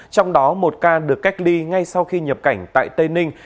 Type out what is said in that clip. trong đó một ca được cách ly ngay sau khi nhập cảnh tại tây ninh